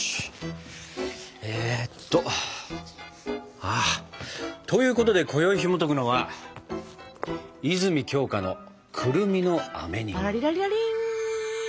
えっと。ということでこよいひもとくのは「泉鏡花のくるみのあめ煮」。